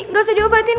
nggak usah diobatin